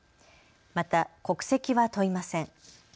また国籍は問いません。